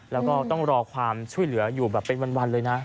แล้วก็ต้องรอความช่วยเหลืออยู่แบบเป็นวันเลยนะ